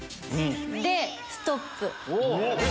でストップ！